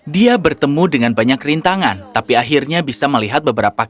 dia bertemu dengan banyak rintangan tapi akhirnya bisa melihat beberapa kaki